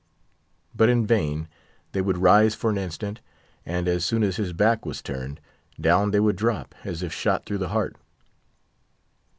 But in vain. They would rise for an instant, and as soon as his back was turned, down they would drop, as if shot through the heart.